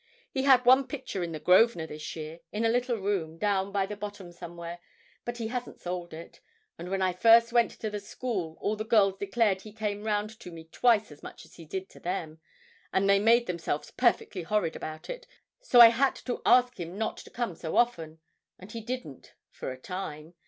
He had one picture in the Grosvenor this year, in the little room, down by the bottom somewhere, but he hasn't sold it. And when I first went to the School all the girls declared he came round to me twice as much as he did to them, and they made themselves perfectly horrid about it; so I had to ask him not to come so often, and he didn't for a time.